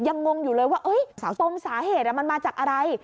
งงอยู่เลยว่าสาวตรงสาเหตุมันมาจากอะไร